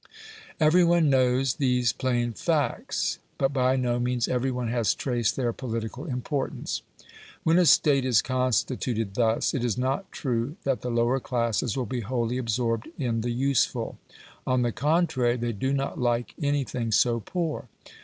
Every one knows these plain facts, but by no means every one has traced their political importance. When a State is constituted thus, it is not true that the lower classes will be wholly absorbed in the useful; on the contrary, they do not like anything so poor.